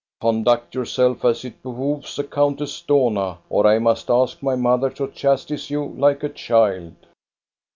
" Conduct yourself as it behooves a Countess Dohna, or I must ask my mother to chastise you like a child."